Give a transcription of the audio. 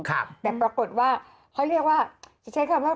หัวไปแล้วตัดออกไป